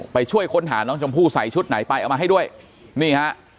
ไปช่วยค้นหาน้องชมพู่ใส่ชุดไหนไปเอามาให้ด้วยนี่ฮะ